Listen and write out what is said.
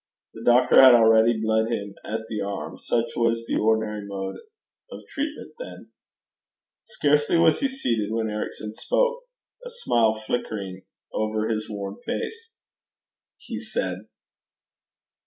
The doctor had already bled him at the arm: such was the ordinary mode of treatment then. Scarcely was he seated, when Ericson spoke a smile flickering over his worn face. 'Robert, my boy,' he said.